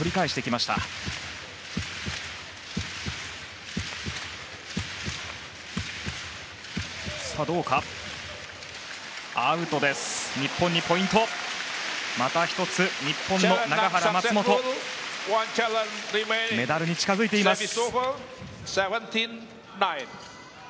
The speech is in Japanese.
また１つ日本の永原、松本メダルに近づいています。